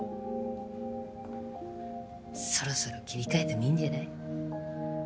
そろそろ切り替えてもいいんじゃない？